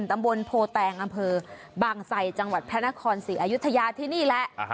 ตำบลโพแตงอำเภอบางไซจังหวัดพระนครศรีอยุธยาที่นี่แหละ